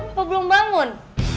apa belum bangun